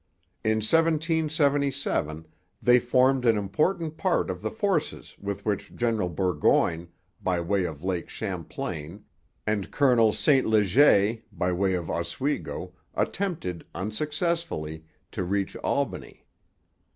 In 1777 they formed an important part of the forces with which General Burgoyne, by way of Lake Champlain, and Colonel St Leger, by way of Oswego, attempted, unsuccessfully, to reach Albany.